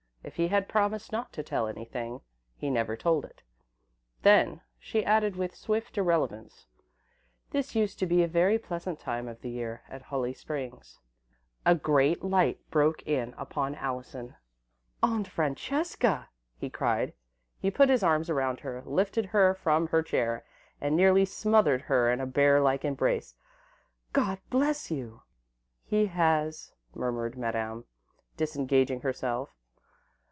If he had promised not to tell anything, he never told it." Then she added, with swift irrelevance, "this used to be a very pleasant time of the year at Holly Springs." A great light broke in upon Allison. "Aunt Francesca!" he cried. He put his arms around her, lifted her from her chair, and nearly smothered her in a bear like embrace. "God bless you!" "He has," murmured Madame, disengaging herself.